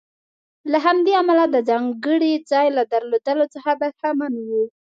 له همدې امله د ځانګړي ځای له درلودلو څخه برخمن و.